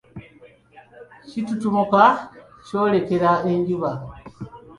Kitutumuka kyolekera enjuba.